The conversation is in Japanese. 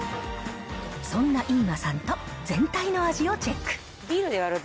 そんな飯間さんと全体の味をチェック。